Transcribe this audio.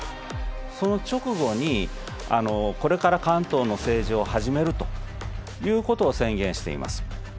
その直後に「これから関東の政治を始める」ということを宣言しています。